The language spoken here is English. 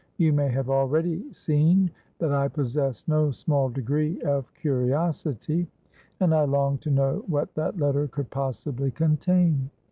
You may have already seen that I possessed no small degree of curiosity, and I longed to know what that letter could possibly contain.